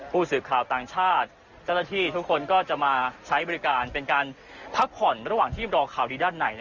ผู้สื่อข่าวต่างชาติเจ้าหน้าที่ทุกคนก็จะมาใช้บริการเป็นการพักผ่อนระหว่างที่รอข่าวดีด้านใน